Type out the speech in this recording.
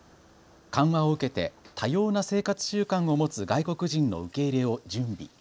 緩和を受けて多様な生活習慣を持つ外国人の受け入れを準備。